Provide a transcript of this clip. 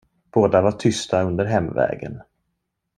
Båda var tysta under hemvägen.